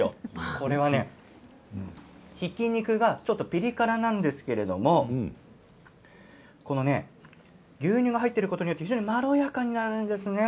これはねひき肉がちょっとピリ辛なんですけれども牛乳が入ってることによって非常にまろやかになるんですね。